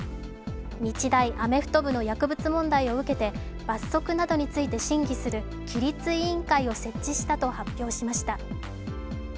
日大アメフト部の薬物問題を受け罰則などについて審議する規律委員会を設置したと発表しました。